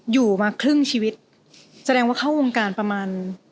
อยู่มาครึ่งชีวิตแสดงว่าเข้าวงการประมาณ